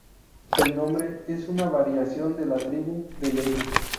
El nombre es una variación de la tribu de Leví.